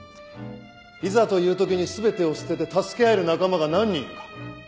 いざというときに全てを捨てて助け合える仲間が何人いるか。